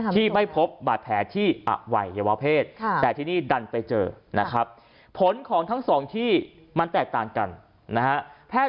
ที่ไม่พบบาดแผลที่อวัยยวะเพศแต่ที่นี่ดันไปเจอ